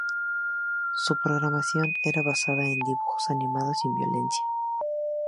Su programación era basada en dibujos animados sin violencia.